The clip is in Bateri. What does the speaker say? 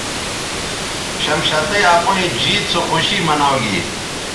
شمشتئ اپئیں جیت سو خوشی مناؤ گی